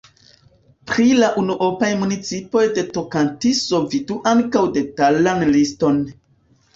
Pri la unuopaj municipoj de Tokantinso vidu ankaŭ detalan liston.